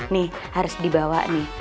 nih harus dibawa nih